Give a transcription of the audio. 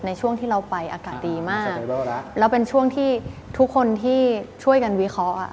ในช่วงที่เราไปอากาศดีมากแล้วเป็นช่วงที่ทุกคนที่ช่วยกันวิเคราะห์